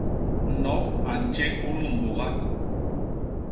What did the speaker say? Nop a ntjé unu mbôga.